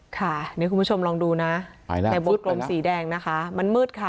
ค่ะนี่คุณผู้ชมลองดูนะในวงกลมสีแดงนะคะมันมืดค่ะ